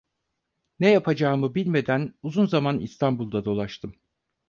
Ne yapacağımı bilmeden uzun zaman İstanbul'da dolaştım.